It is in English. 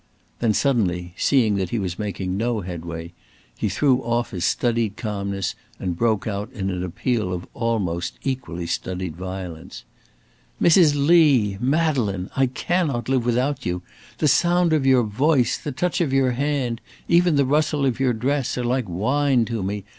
Then suddenly, seeing that he was making no headway, he threw off his studied calmness and broke out in an appeal of almost equally studied violence. "Mrs. Lee! Madeleine! I cannot live without you. The sound of your voice the touch of your hand even the rustle of your dress are like wine to me.